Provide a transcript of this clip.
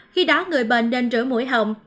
khi đó người bệnh nên rửa mũi hồng